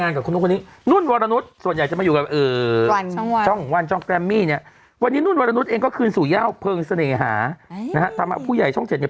อาทิตย์จะเปิดตัวแล้วของกาทราภา